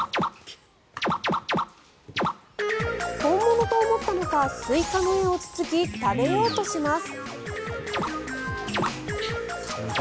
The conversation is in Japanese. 本物と思ったのかスイカの絵をつつき食べようとします。